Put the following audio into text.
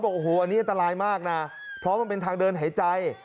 บอกโอ้โหอันนี้อันตรายมากนะเพราะมันเป็นทางเดินหายใจ